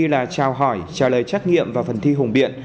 là trao hỏi trả lời trách nghiệm và phần thi hùng biện